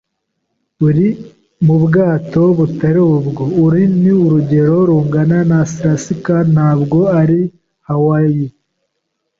Uri mubwato butari bwo. Uru ni urugendo rugana Alaska, ntabwo ari Hawaii.